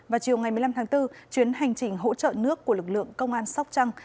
vào chiều ngày một mươi năm tháng bốn chuyến hành trình hỗ trợ nước của lực lượng công an sóc trăng